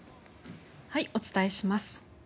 お伝えします。